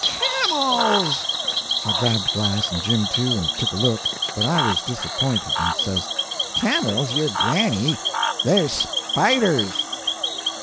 —Camels!" So I grabbed a glass and Jim, too, and took a look, but I was disappointed, and says: "Camels your granny; they're spiders."